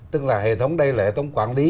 tức là hệ thống đây là hệ thống quản lý